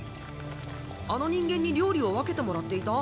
あの人間に料理を分けてもらっていた？